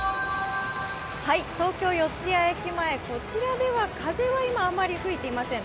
東京・四ツ谷駅前、こちらでは風がまだあまり吹いていません。